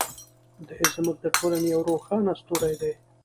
دی زموږ د ټولنې یو روښانه ستوری دی.